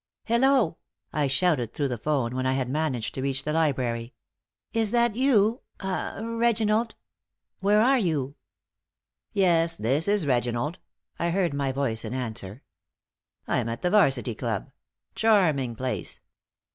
"Hello!" I shouted through the 'phone, when I had managed to reach the library. "Is that you ah Reginald? Where are you?" "Yes. This is Reginald," I heard my voice in answer. "I'm at the 'Varsity Club. Charming place.